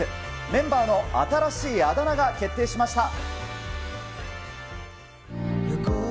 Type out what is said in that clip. メンバーの新しいあだ名が決定しました。